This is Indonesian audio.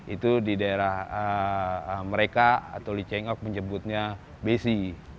itu di daerah mereka atau li cheng ok menyebutnya besi